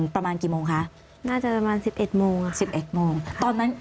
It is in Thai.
ประมาณกี่โมงคะน่าจะประมาณ๑๑โมงค่ะ